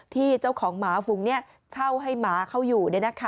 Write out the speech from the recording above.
ที่เจ้าของหมาฝูงเช่าให้หมาเขาอยู่